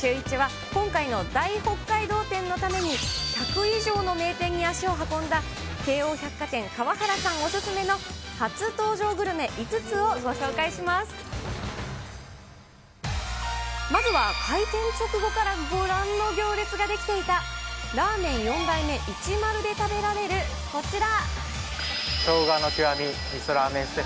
そこでシューイチは今回の大北海道展のために、１００以上の名店に足を運んだ、京王百貨店、河原さんお勧めの、まずは開店直後からご覧の行列が出来ていた、ラーメン四代目いちまるで食べられるこちら。